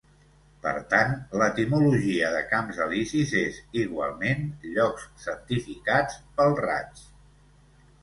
Per tant, l'etimologia de camps Elisis és, igualment, llocs santificats pel raig.